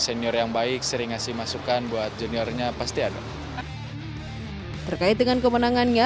senior yang baik sering ngasih masukan buat juniornya pasti ada terkait dengan kemenangannya